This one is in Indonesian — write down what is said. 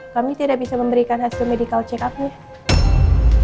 kami tidak bisa memberikan hasil medical check up nya